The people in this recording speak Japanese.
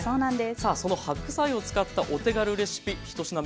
さあその白菜を使ったお手軽レシピ１品目